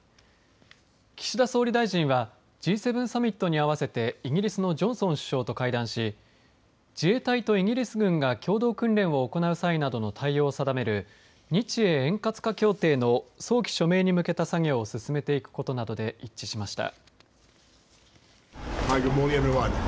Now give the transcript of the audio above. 岸田総理大臣はＧ７サミットに合わせてイギリスのジョンソン首相と会談し自衛隊とイギリス軍が共同訓練を行う際などの対応を定める日英円滑化協定の早期署名に向けた作業を進めていくことなどで一致しました。